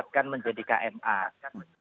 kita akan meningkatkan menjadi kma